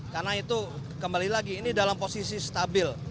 karena itu kembali lagi ini dalam posisi stabil